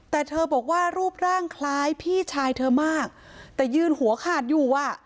แต่เธอบอกว่ารูปร่างคล้ายพี่ชายเธอมากแต่ยืนหัวขาดอยู่อ่ะ